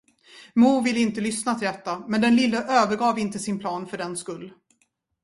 Mor ville inte lyssna till detta, men den lille övergav inte sin plan fördenskull.